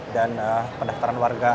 dan pendaftaran warga